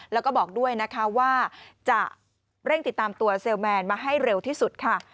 แล้วก็บอกด้วยนะคะว่าจะเร่งติดตามตัวเซลแมนมาให้เร็วที่สุดค่ะ